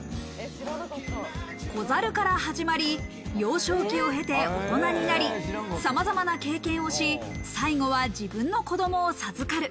子猿から始まり、幼少期を経て大人になり、さまざまな経験をし、最後は自分の子供を授かる。